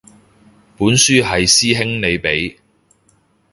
本書係師兄你畀